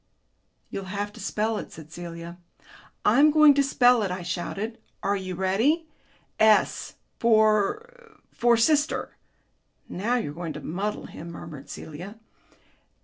"You'll have to spell it," said Celia. "I'm going to spell it," I shouted. "Are you ready? ... S for for sister." "Now you're going to muddle him," murmured Celia.